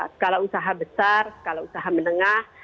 skala usaha besar skala usaha menengah